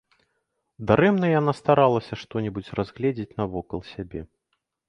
Дарэмна яна старалася што-небудзь разгледзець навокал сябе.